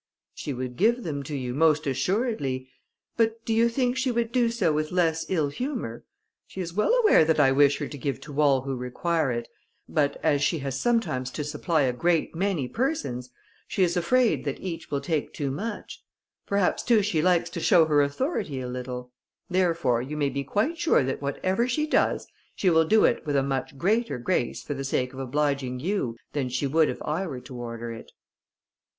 "She would give them to you, most assuredly; but do you think she would do so with less ill humour? She is well aware that I wish her to give to all who require it, but as she has sometimes to supply a great many persons, she is afraid that each will take too much; perhaps too she likes to show her authority a little; therefore, you may be quite sure that whatever she does, she will do it with a much better grace for the sake of obliging you, than she would if I were to order it."